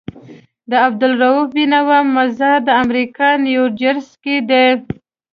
د عبدالروف بينوا مزار دامريکا نيوجرسي کي دی